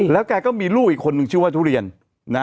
แล้วแกก็มีลูกอีกคนนึงชื่อว่าทุเรียนนะ